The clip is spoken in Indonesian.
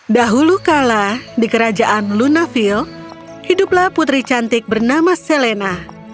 dahulu kala di kerajaan lunafil hiduplah putri cantik bernama selena